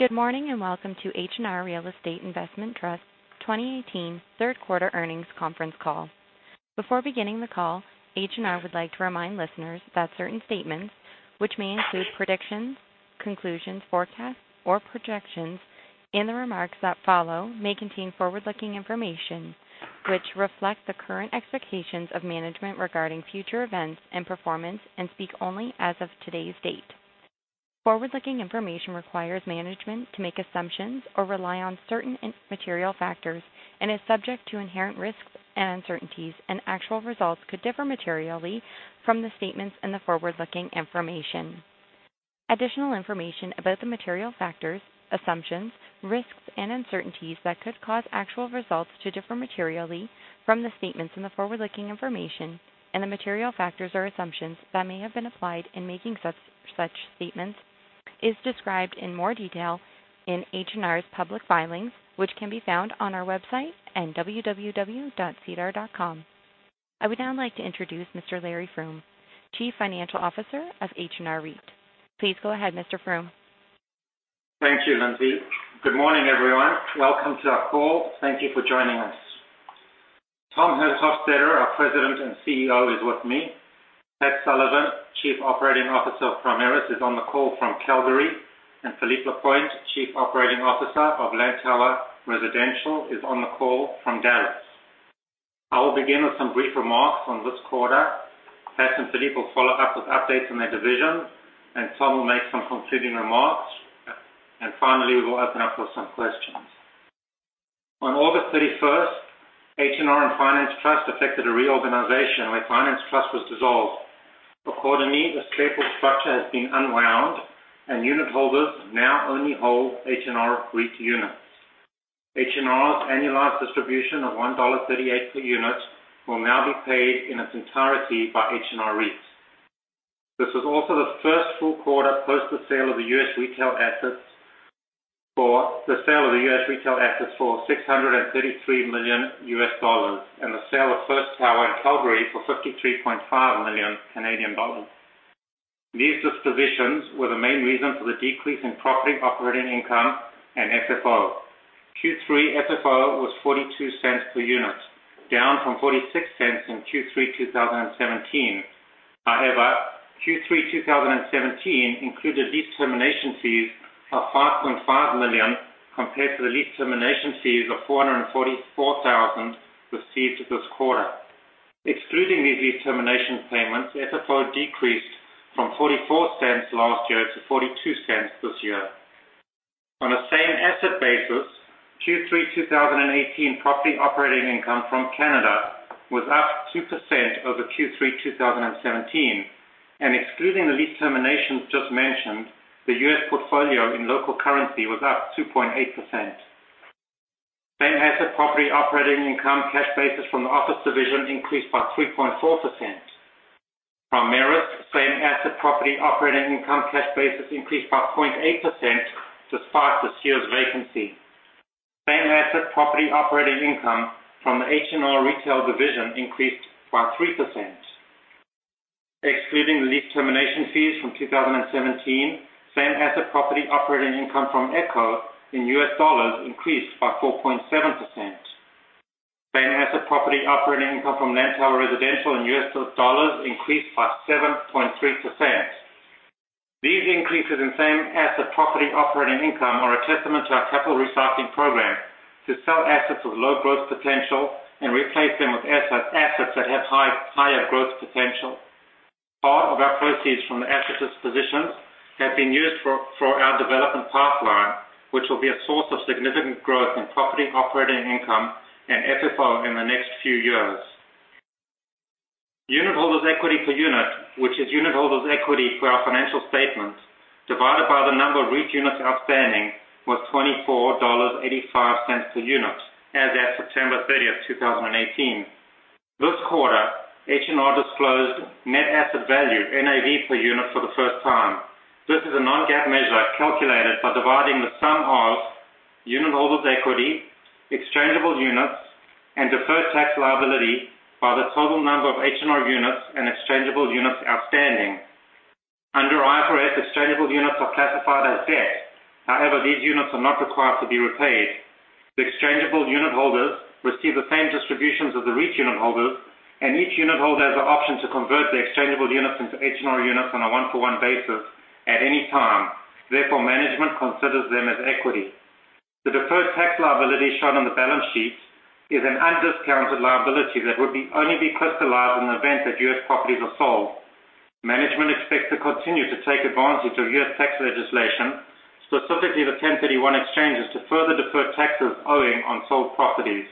Good morning, welcome to H&R Real Estate Investment Trust 2018 third quarter earnings conference call. Before beginning the call, H&R would like to remind listeners that certain statements, which may include predictions, conclusions, forecasts, or projections in the remarks that follow, may contain forward-looking information, which reflect the current expectations of management regarding future events and performance and speak only as of today's date. Forward-looking information requires management to make assumptions or rely on certain material factors and is subject to inherent risks and uncertainties, actual results could differ materially from the statements in the forward-looking information. Additional information about the material factors, assumptions, risks, and uncertainties that could cause actual results to differ materially from the statements in the forward-looking information and the material factors or assumptions that may have been applied in making such statements is described in more detail in H&R's public filings, which can be found on our website and www.sedar.com. I would now like to introduce Mr. Larry Froom, Chief Financial Officer of H&R REIT. Please go ahead, Mr. Froom. Thank you, Lindsay. Good morning, everyone. Welcome to our call. Thank you for joining us. Tom Hofstedter, our President and CEO, is with me. Pat Sullivan, Chief Operating Officer of Primaris, is on the call from Calgary, and Philippe Lapointe, Chief Operating Officer of Lantower Residential, is on the call from Dallas. I will begin with some brief remarks on this quarter. Pat and Philippe will follow up with updates on their divisions, Tom will make some concluding remarks. Finally, we will open up for some questions. On August 31st, H&R and H&R Finance Trust effected a reorganization where H&R Finance Trust was dissolved. Accordingly, the staple structure has been unwound, and unit holders now only hold H&R REIT units. H&R's annualized distribution of 1.38 dollar per unit will now be paid in its entirety by H&R REIT. This was also the first full quarter post the sale of the U.S. retail assets for $633 million U.S. and the sale of First Tower in Calgary for 53.5 million Canadian dollars Canadian. These dispositions were the main reason for the decrease in property operating income and FFO. Q3 FFO was 0.42 per unit, down from 0.46 in Q3 2017. However, Q3 2017 included lease termination fees of 5.5 million compared to the lease termination fees of 444,000 received this quarter. Excluding these lease termination payments, FFO decreased from 0.44 last year to 0.42 this year. On a same asset basis, Q3 2018 property operating income from Canada was up 2% over Q3 2017. Excluding the lease terminations just mentioned, the U.S. portfolio in local currency was up 2.8%. Same asset property operating income cash basis from the office division increased by 3.4%. Primaris same asset property operating income cash basis increased by 0.8% despite this year's vacancy. Same asset property operating income from the H&R retail division increased by 3%. Excluding the lease termination fees from 2017, same asset property operating income from Echo Realty in U.S. dollars increased by 4.7%. Same asset property operating income from Lantower Residential in U.S. dollars increased by 7.3%. These increases in same asset property operating income are a testament to our capital recycling program to sell assets with low growth potential and replace them with assets that have higher growth potential. Part of our proceeds from the asset dispositions have been used for our development pipeline, which will be a source of significant growth in property operating income and FFO in the next few years. Unitholders' equity per unit, which is unitholders' equity for our financial statements, divided by the number of REIT units outstanding, was 24.85 dollars per unit as at September 30th, 2018. This quarter, H&R disclosed net asset value, NAV per unit for the first time. This is a non-GAAP measure calculated by dividing the sum of unitholders' equity, exchangeable units, and deferred tax liability by the total number of H&R units and exchangeable units outstanding. Under IFRS, exchangeable units are classified as debt. However, these units are not required to be repaid. The exchangeable unitholders receive the same distributions as the REIT unitholders, and each unitholder has the option to convert their exchangeable units into H&R units on a one-to-one basis at any time. Management considers them as equity. The deferred tax liability shown on the balance sheet is an undiscounted liability that would only be crystallized in the event that U.S. properties are sold. Management expects to continue to take advantage of U.S. tax legislation, specifically the 1031 exchanges, to further defer taxes owing on sold properties.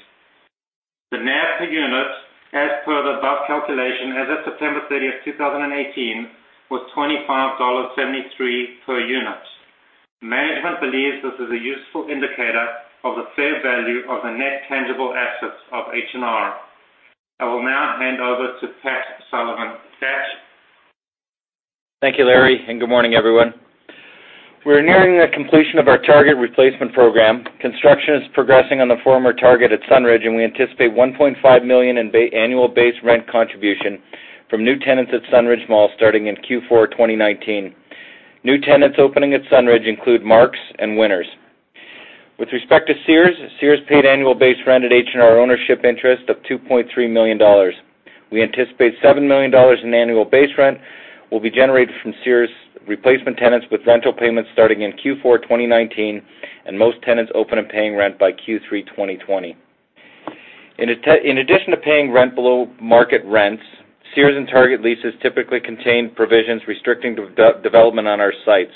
The NAV per unit, as per the above calculation as of September 30th, 2018, was 25.73 dollars per unit. Management believes this is a useful indicator of the fair value of the net tangible assets of H&R. I will now hand over to Pat Sullivan. Pat? Thank you, Larry, good morning, everyone. We're nearing the completion of our Target replacement program. Construction is progressing on the former Target at Sunridge, and we anticipate 1.5 million in annual base rent contribution From new tenants at Sunridge Mall starting in Q4 2019. New tenants opening at Sunridge include Mark's and Winners. With respect to Sears paid annual base rent at H&R ownership interest of 2.3 million dollars. We anticipate 7 million dollars in annual base rent will be generated from Sears' replacement tenants with rental payments starting in Q4 2019, and most tenants open and paying rent by Q3 2020. In addition to paying rent below market rents, Sears and Target leases typically contain provisions restricting development on our sites.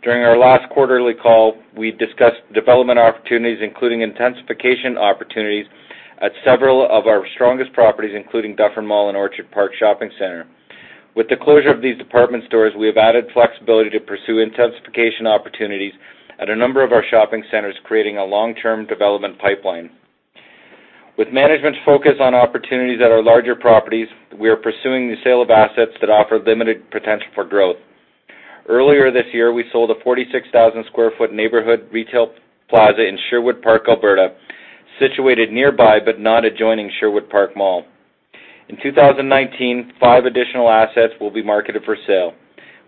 During our last quarterly call, we discussed development opportunities, including intensification opportunities at several of our strongest properties, including Dufferin Mall and Orchard Park Shopping Center. With the closure of these department stores, we have added flexibility to pursue intensification opportunities at a number of our shopping centers, creating a long-term development pipeline. With management's focus on opportunities at our larger properties, we are pursuing the sale of assets that offer limited potential for growth. Earlier this year, we sold a 46,000 sq ft neighborhood retail plaza in Sherwood Park, Alberta, situated nearby, but not adjoining Sherwood Park Mall. In 2019, five additional assets will be marketed for sale.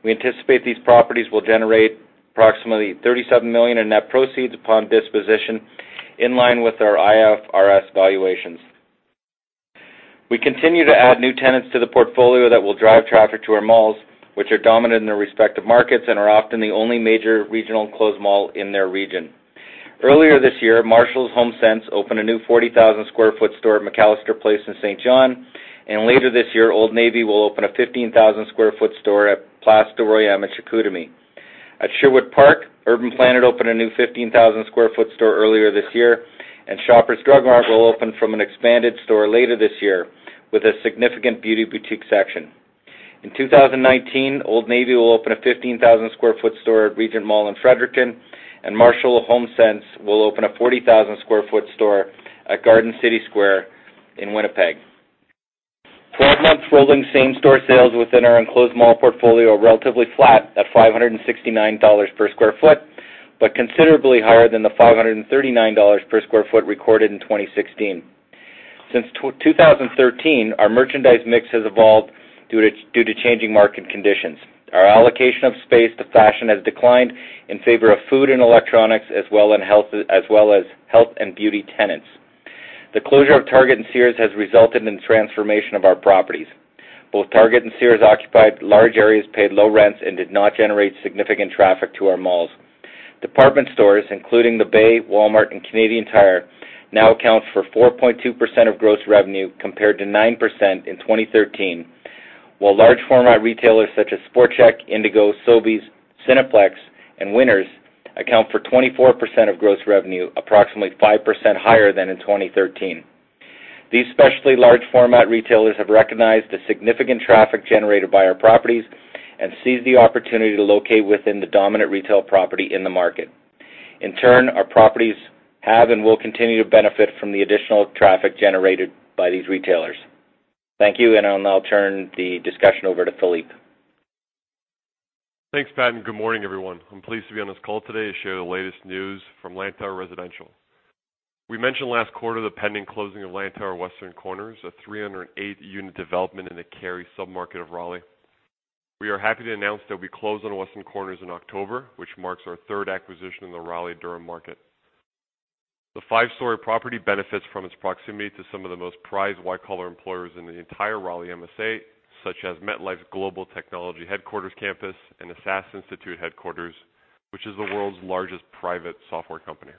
We anticipate these properties will generate approximately 37 million in net proceeds upon disposition, in line with our IFRS valuations. We continue to add new tenants to the portfolio that will drive traffic to our malls, which are dominant in their respective markets and are often the only major regional enclosed mall in their region. Earlier this year, Marshalls/HomeSense opened a new 40,000 sq ft store at McAllister Place in Saint John, and later this year, Old Navy will open a 15,000 sq ft store at Place du Royaume in Chicoutimi. At Sherwood Park, Urban Planet opened a new 15,000 sq ft store earlier this year, and Shoppers Drug Mart will open from an expanded store later this year, with a significant beauty boutique section. In 2019, Old Navy will open a 15,000 sq ft store at Regent Mall in Fredericton, and Marshalls/HomeSense will open a 40,000 sq ft store at Garden City Shopping Centre in Winnipeg. Twelve-month rolling same-store sales within our enclosed mall portfolio are relatively flat at 569 dollars per sq ft, but considerably higher than the 539 dollars per sq ft recorded in 2016. Since 2013, our merchandise mix has evolved due to changing market conditions. Our allocation of space to fashion has declined in favor of food and electronics as well as health and beauty tenants. The closure of Target and Sears has resulted in the transformation of our properties. Both Target and Sears occupied large areas, paid low rents, and did not generate significant traffic to our malls. Department stores, including The Bay, Walmart, and Canadian Tire, now account for 4.2% of gross revenue, compared to 9% in 2013. While large format retailers such as Sport Chek, Indigo, Sobeys, Cineplex, and Winners account for 24% of gross revenue, approximately 5% higher than in 2013. These specialty large format retailers have recognized the significant traffic generated by our properties and seized the opportunity to locate within the dominant retail property in the market. In turn, our properties have and will continue to benefit from the additional traffic generated by these retailers. Thank you, and I'll now turn the discussion over to Philippe. Thanks, Pat. Good morning, everyone. I am pleased to be on this call today to share the latest news from Lantower Residential. We mentioned last quarter the pending closing of Lantower Weston Corners, a 308-unit development in the Cary submarket of Raleigh. We are happy to announce that we closed on Weston Corners in October, which marks our third acquisition in the Raleigh MSA. The five-story property benefits from its proximity to some of the most prized white-collar employers in the entire Raleigh MSA, such as MetLife Global Technology Headquarters Campus and the SAS Institute Headquarters, which is the world's largest private software company.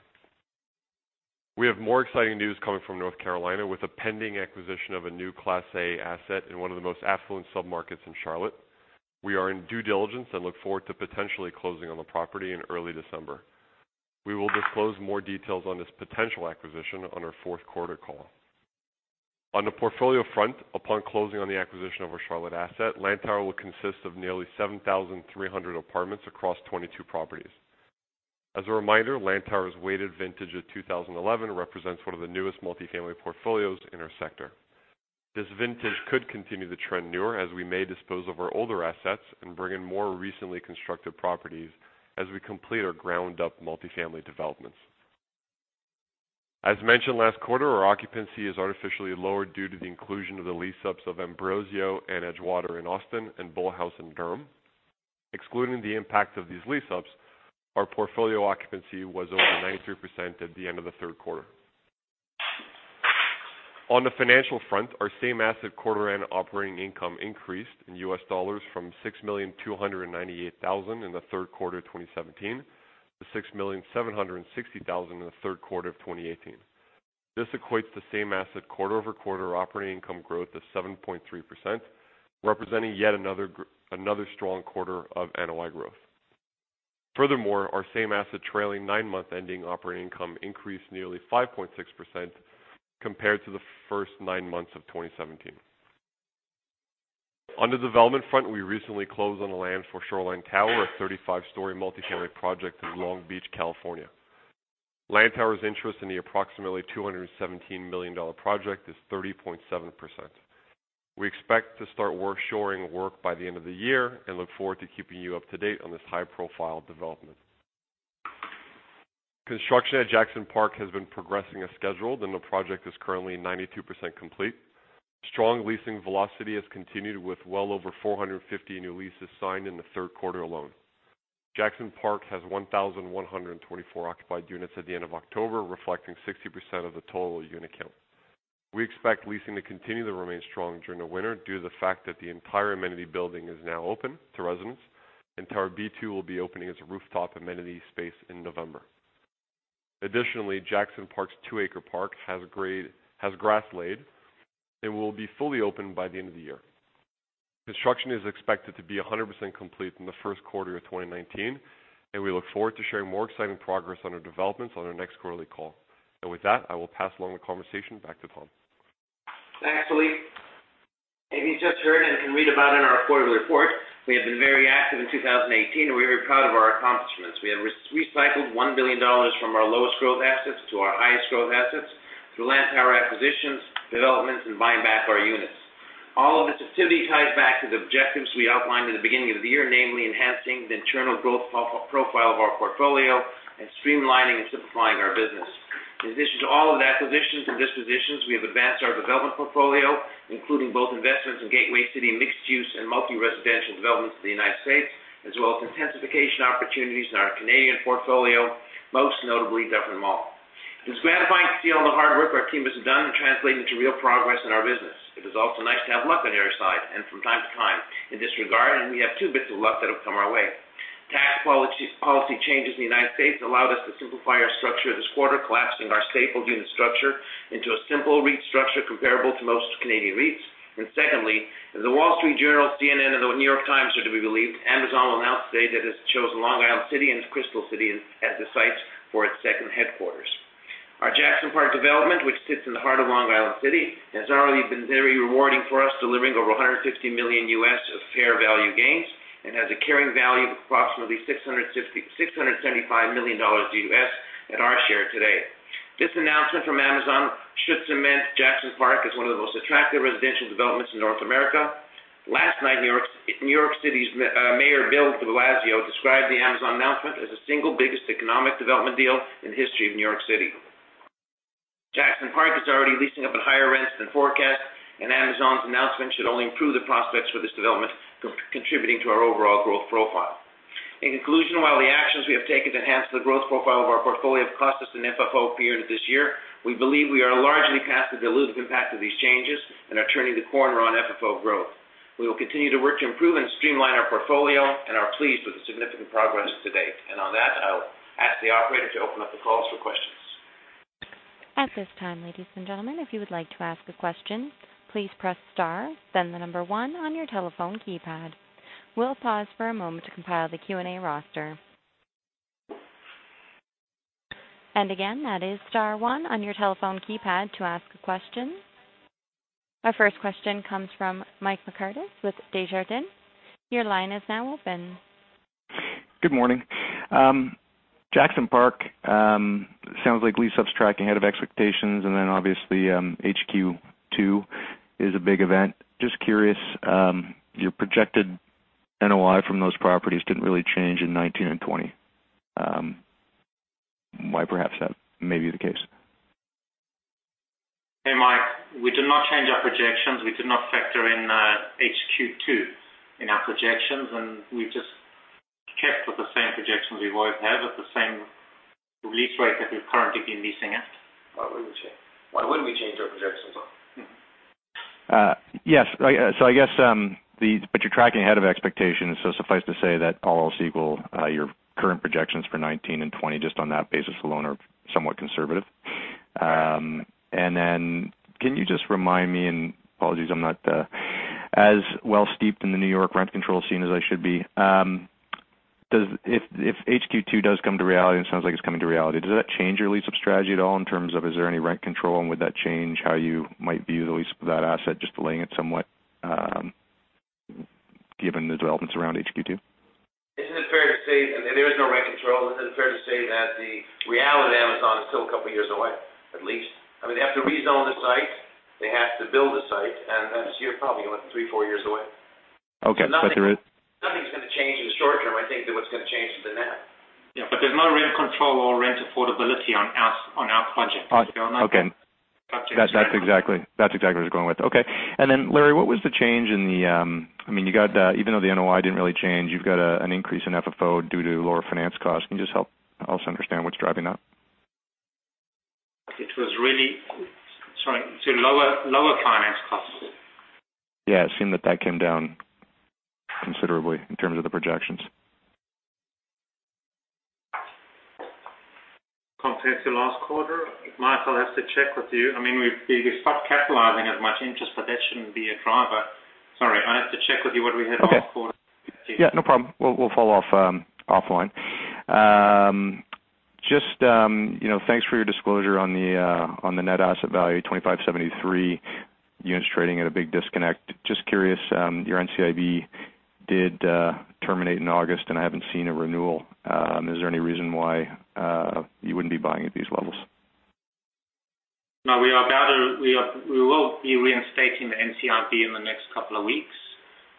We have more exciting news coming from North Carolina with the pending acquisition of a new Class A asset in one of the most affluent submarkets in Charlotte. We are in due diligence and look forward to potentially closing on the property in early December. We will disclose more details on this potential acquisition on our fourth quarter call. On the portfolio front, upon closing on the acquisition of our Charlotte asset, Lantower will consist of nearly 7,300 apartments across 22 properties. As a reminder, Lantower's weighted vintage of 2011 represents one of the newest multifamily portfolios in our sector. This vintage could continue to trend newer as we may dispose of our older assets and bring in more recently constructed properties as we complete our ground-up multifamily developments. As mentioned last quarter, our occupancy is artificially lower due to the inclusion of the lease-ups of Lantower Ambrosio and Edgewater in Austin and Bullhouse in Durham. Excluding the impact of these lease-ups, our portfolio occupancy was over 93% at the end of the third quarter. On the financial front, our same-asset quarter-end operating income increased in U.S. dollars from $6,298,000 in the third quarter of 2017 to $6,760,000 in the third quarter of 2018. This equates the same-asset quarter-over-quarter operating income growth of 7.3%, representing yet another strong quarter of NOI growth. Our same-asset trailing nine-month-ending operating income increased nearly 5.6% compared to the first nine months of 2017. On the development front, we recently closed on the land for Shoreline Tower, a 35-story multifamily project in Long Beach, California. Lantower's interest in the approximately 217 million dollar project is 30.7%. We expect to start shoring work by the end of the year and look forward to keeping you up to date on this high-profile development. Construction at Jackson Park has been progressing as scheduled, and the project is currently 92% complete. Leasing velocity has continued, with well over 450 new leases signed in the third quarter alone. Jackson Park has 1,124 occupied units at the end of October, reflecting 60% of the total unit count. We expect leasing to continue to remain strong during the winter due to the fact that the entire amenity building is now open to residents, and Tower B2 will be opening its rooftop amenity space in November. Additionally, Jackson Park's two-acre park has grass laid and will be fully open by the end of the year. Construction is expected to be 100% complete in the first quarter of 2019, and we look forward to sharing more exciting progress on our developments on our next quarterly call. With that, I will pass along the conversation back to Tom. Thanks, Philippe. As you just heard and can read about in our quarterly report, we have been very active in 2018, and we are very proud of our accomplishments. We have recycled 1 billion dollars from our lowest growth assets to our highest growth assets through Lantower acquisitions, developments, and buying back our units. All of this activity ties back to the objectives we outlined at the beginning of the year, namely enhancing the internal growth profile of our portfolio and streamlining and simplifying our business. In addition to all of the acquisitions and dispositions, we have advanced our development portfolio, including both investments in Gateway City mixed-use and multi-residential developments in the U.S., as well as intensification opportunities in our Canadian portfolio, most notably Devonshire Mall. It is gratifying to see all the hard work our team has done translate into real progress in our business. It is also nice to have luck on your side from time to time in this regard, and we have two bits of luck that have come our way. Tax policy changes in the U.S. allowed us to simplify our structure this quarter, collapsing our stapled unit structure into a simple REIT structure comparable to most Canadian REITs. Secondly, if The Wall Street Journal, CNN, and The New York Times are to be believed, Amazon will announce today that it has chosen Long Island City and Crystal City as the sites for its second headquarters. Our Jackson Park development, which sits in the heart of Long Island City, has already been very rewarding for us, delivering over $150 million of fair value gains, and has a carrying value of approximately $675 million at our share today. This announcement from Amazon should cement Jackson Park as one of the most attractive residential developments in North America. Last night, New York City's Mayor Bill de Blasio described the Amazon announcement as the single biggest economic development deal in the history of New York City. Jackson Park is already leasing up at higher rents than forecast, and Amazon's announcement should only improve the prospects for this development, contributing to our overall growth profile. In conclusion, while the actions we have taken to enhance the growth profile of our portfolio have cost us in FFO for periods of this year, we believe we are largely past the dilutive impact of these changes and are turning the corner on FFO growth. We will continue to work to improve and streamline our portfolio and are pleased with the significant progress to date. On that, I'll ask the operator to open up the calls for questions. At this time, ladies and gentlemen, if you would like to ask a question, please press star, then the number one on your telephone keypad. We'll pause for a moment to compile the Q&A roster. Again, that is star one on your telephone keypad to ask a question. Our first question comes from Mike McCartney with Desjardins. Your line is now open. Good morning. Jackson Park, sounds like lease-up is tracking ahead of expectations, obviously, HQ2 is a big event. Just curious, your projected NOI from those properties didn't really change in 2019 and 2020. Why perhaps that may be the case? Hey, Mike. We did not change our projections. We did not factor in HQ2 in our projections, we've just kept with the same projections we've always had at the same release rate that we've currently been leasing at. Why wouldn't we change our projections? Yes. I guess, but you're tracking ahead of expectations, suffice to say that all else equal, your current projections for 2019 and 2020 just on that basis alone are somewhat conservative. Can you just remind me, apologies, I'm not as well steeped in the New York rent control scene as I should be. If HQ2 does come to reality, it sounds like it's coming to reality, does that change your lease-up strategy at all in terms of, is there any rent control and would that change how you might view the lease of that asset, just delaying it somewhat given the developments around HQ2? Isn't it fair to say, there is no rent control. Isn't it fair to say that the reality of Amazon is still a couple of years away, at least? They have to rezone the site. They have to build the site. You're probably looking at three, four years away. Okay. Nothing's going to change in the short term, I think, that what's going to change the math. Yeah. There's no rent control or rent affordability on our project. Okay. That's exactly what I was going with. Okay. Larry, what was the change in the Even though the NOI didn't really change, you've got an increase in FFO due to lower finance costs. Can you just help us understand what's driving that? It was. Sorry. Lower finance costs. Yeah, it seemed that that came down considerably in terms of the projections. Compared to last quarter? Mike, I'll have to check with you. We've stopped capitalizing as much interest, but that shouldn't be a driver. Sorry, I have to check with you what we had last quarter. Okay. Yeah, no problem. We'll follow off offline. Just thanks for your disclosure on the net asset value, 25.73 units trading at a big disconnect. Curious, your NCIB did terminate in August, and I haven't seen a renewal. Is there any reason why you wouldn't be buying at these levels? No, we will be reinstating the NCIB in the next couple of weeks.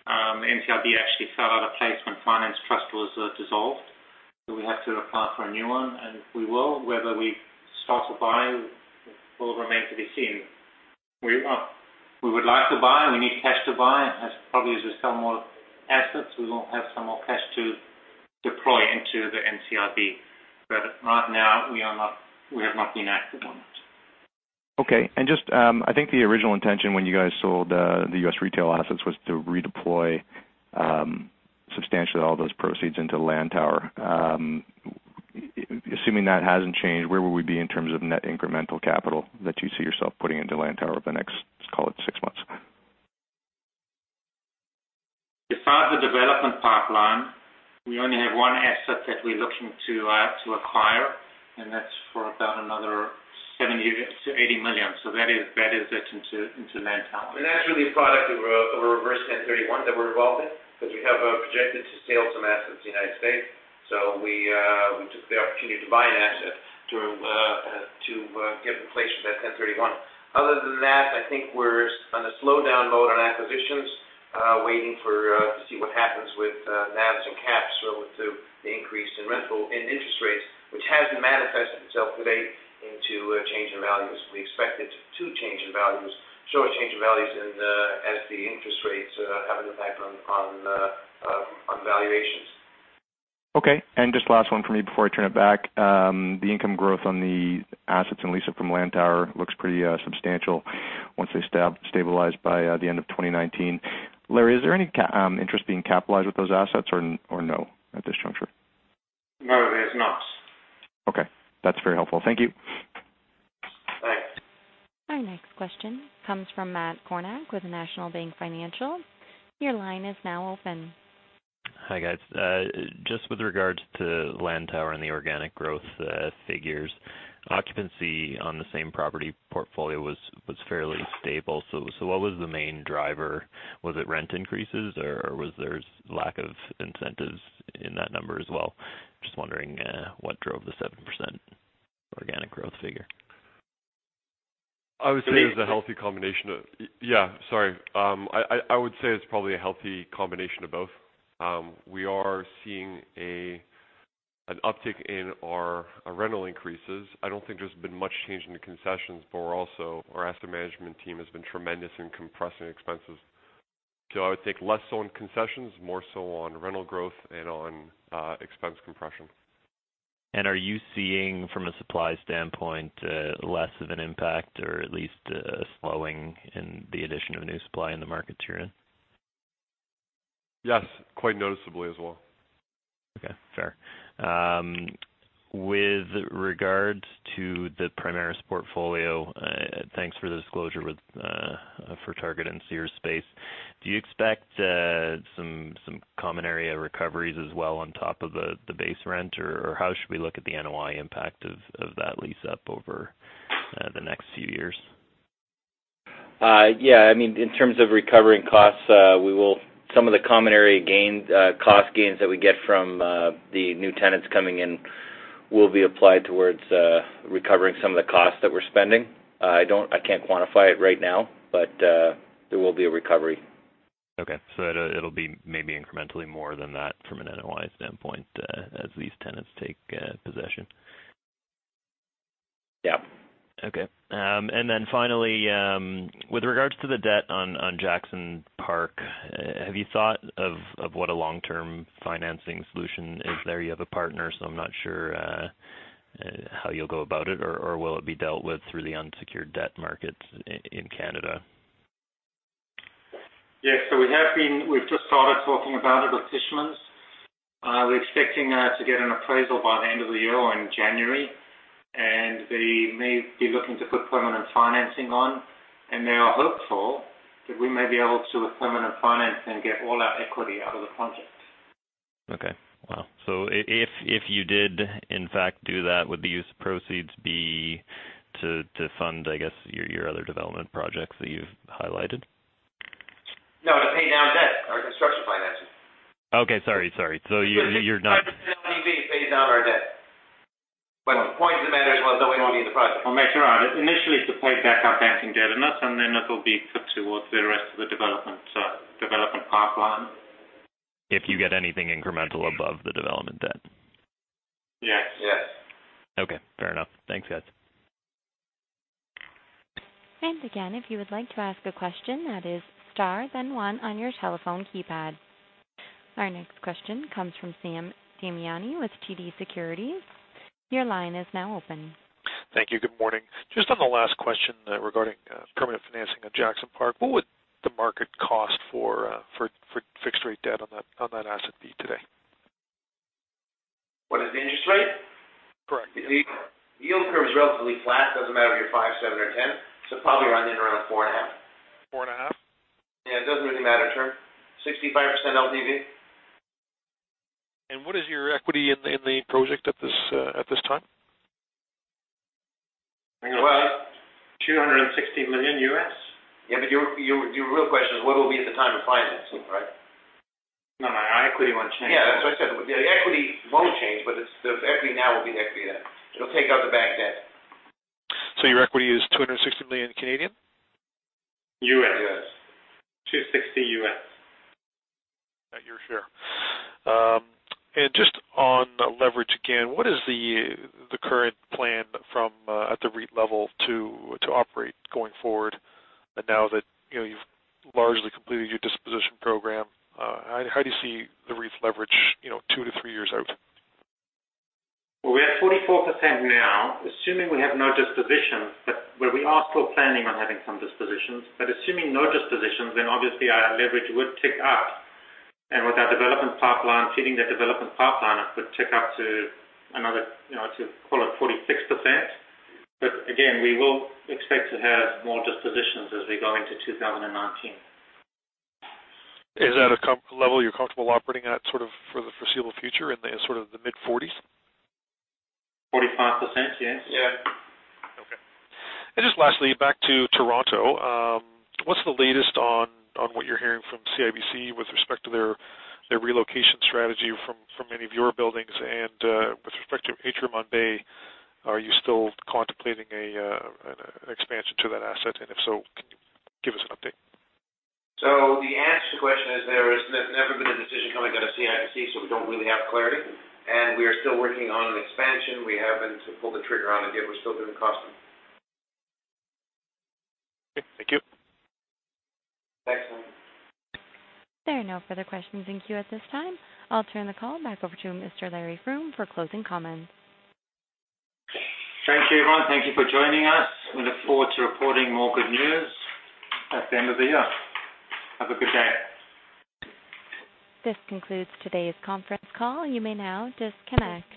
NCIB actually fell out of place when Finance Trust was dissolved, we have to apply for a new one, and we will. Whether we start to buy will remain to be seen. We would like to buy. We need cash to buy. As probably as we sell more assets, we will have some more cash to deploy into the NCIB. Right now, we have not been active on it. Okay. I think the original intention when you guys sold the U.S. retail assets was to redeploy substantially all those proceeds into Lantower. Assuming that hasn't changed, where would we be in terms of net incremental capital that you see yourself putting into Lantower over the next, let's call it six months? Besides the development pipeline, we only have one asset that we're looking to acquire, and that's for about another 70 million to 80 million. That is it into Lantower. That's really a product of a reverse 1031 that we're involved in because we have projected to sell some assets in the U.S. We took the opportunity to buy an asset to give inflation to that 1031. Other than that, I think we're on a slowdown mode on acquisitions, waiting to see what happens with NAVs and CAPs relative to the increase in interest rates, which hasn't manifested itself to date into a change in values. We expect it to show a change in values as the interest rates have an impact on valuations. Okay. Just last one from me before I turn it back. The income growth on the assets on lease-up from Lantower looks pretty substantial once they stabilize by the end of 2019. Larry, is there any interest being capitalized with those assets or no at this juncture? No, there's not. Okay. That's very helpful. Thank you. Thanks. Our next question comes from Matt Kornack with National Bank Financial. Your line is now open. Hi, guys. Just with regards to Lantower and the organic growth figures, occupancy on the same property portfolio was fairly stable. What was the main driver? Was it rent increases, or was there lack of incentives in that number as well? Just wondering what drove the 7% organic growth figure. I would say it's probably a healthy combination of both. We are seeing an uptick in our rental increases. I don't think there's been much change in the concessions, but also our asset management team has been tremendous in compressing expenses. I would think less so on concessions, more so on rental growth and on expense compression. Are you seeing, from a supply standpoint, less of an impact or at least a slowing in the addition of new supply in the markets you're in? Yes, quite noticeably as well. Okay. Fair. With regards to the Primaris portfolio, thanks for the disclosure for Target and Sears space. Do you expect some common area recoveries as well on top of the base rent, or how should we look at the NOI impact of that lease-up over the next few years? Yeah. In terms of recovering costs, some of the common area cost gains that we get from the new tenants coming in will be applied towards recovering some of the costs that we're spending. I can't quantify it right now, but there will be a recovery. Okay. It'll be maybe incrementally more than that from an NOI standpoint as these tenants take possession. Yep. Okay. Finally, with regards to the debt on Jackson Park, have you thought of what a long-term financing solution is there? You have a partner, so I'm not sure how you'll go about it, or will it be dealt with through the unsecured debt markets in Canada? Yes. We've just started talking about it with Tishman's. We're expecting to get an appraisal by the end of the year or in January, they may be looking to put permanent financing on, they are hopeful that we may be able to, with permanent financing, get all our equity out of the project. Okay. Wow. If you did in fact do that, would the use of proceeds be to fund, I guess, your other development projects that you've highlighted? No, to pay down debt. Our construction financing. Okay. Sorry. It's 100% LTV to pay down our debt. The point of the matter is, well, then we won't be in the project. Well, matter of fact, initially, it's to pay back our banking debt on this, and then it'll be put towards the rest of the development pipeline. If you get anything incremental above the development debt. Yes. Yes. Okay. Fair enough. Thanks, guys. Again, if you would like to ask a question, that is star then one on your telephone keypad. Our next question comes from Sam Damiani with TD Securities. Your line is now open. Thank you. Good morning. Just on the last question regarding permanent financing of Jackson Park, what would the market cost for fixed-rate debt on that asset be today? What is the interest rate? Correct. The yield curve is relatively flat. Doesn't matter if you're five, seven, or 10. Probably around four and a half. Four and a half? Yeah. It doesn't really matter, sure. 65% LTV. What is your equity in the project at this time? About $260 million. Yeah, your real question is what it will be at the time of financing, right? No, our equity won't change. Yeah, that's what I said. The equity won't change, but the equity now will be equity then. It'll take out the back debt. Your equity is 260 million? US. U.S. $260. At your share. Just on leverage again, what is the current plan at the REIT level to operate going forward, now that you've largely completed your disposition program? How do you see the REIT's leverage two to three years out? We're at 44% now, assuming we have no dispositions, but we are still planning on having some dispositions. Assuming no dispositions, then obviously our leverage would tick up, and with our development pipeline, feeding the development pipeline, it would tick up to call it 46%. Again, we will expect to have more dispositions as we go into 2019. Is that a level you're comfortable operating at for the foreseeable future, in the mid-40s? 45%, yes. Yeah. Okay. Just lastly, back to Toronto. What's the latest on what you're hearing from CIBC with respect to their relocation strategy from many of your buildings? And with respect to Atrium on Bay, are you still contemplating an expansion to that asset? And if so, can you give us an update? The answer to the question is, there has never been a decision coming out of CIBC, so we don't really have clarity, and we are still working on an expansion. We haven't pulled the trigger on it yet. We're still doing the costing. Okay, thank you. Thanks. There are no further questions in queue at this time. I will turn the call back over to Mr. Larry Froom for closing comments. Thanks, everyone. Thank you for joining us. We look forward to reporting more good news at the end of the year. Have a good day. This concludes today's conference call. You may now disconnect.